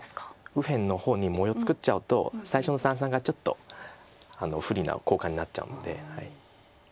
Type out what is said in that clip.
右辺の方に模様作っちゃうと最初の三々がちょっと不利な交換になっちゃうので。